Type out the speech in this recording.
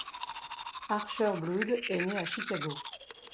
Archer Blood est né à Chicago.